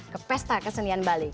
ke festa kesenian bali